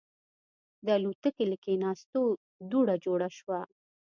د الوتکې له کېناستو دوړه جوړه شوه.